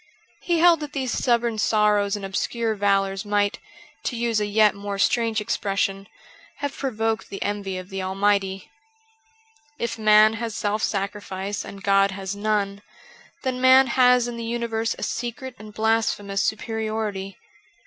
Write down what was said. He held that these stubborn sorrows and obscure valours might — to use a yet more strange expression — have provoked the envy of the Almighty. If man has self sacrifice and God has none, then man has in the universe a secret and blasphemous superiority.